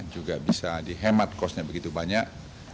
juga bisa dihemat cost nya begitu banyak